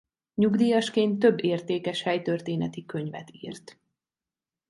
Nyugdíjasként több értékes helytörténeti könyvet írt.